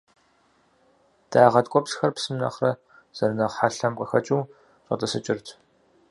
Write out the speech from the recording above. Дагъэ ткӏуэпсхэр псым нэхърэ зэрынэхъ хьэлъэм къыхэкӏыу щӏэтӏысыкӏырт.